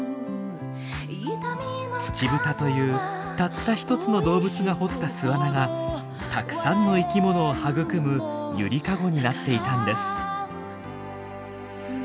ツチブタというたった一つの動物が掘った巣穴がたくさんの生きものを育む揺りかごになっていたんです。